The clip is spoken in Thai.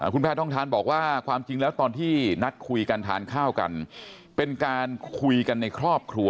คุณแพทองทานบอกว่าความจริงแล้วตอนที่นัดคุยกันทานข้าวกันเป็นการคุยกันในครอบครัว